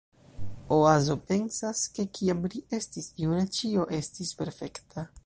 Oazo pensas, ke kiam ri estis juna, ĉio estis perfekta.